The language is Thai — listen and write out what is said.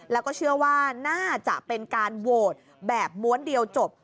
แล้วก็เชื่อว่าน่าจะเป็นการโหวตแบบม้วนเดียวจบ